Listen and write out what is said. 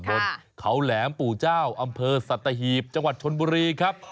บนเขาแหลมปู่เจ้าอำเภอสัตหีบจังหวัดชนบุรีครับ